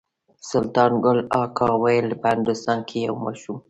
سلطان ګل اکا ویل په هندوستان کې یو ماشوم.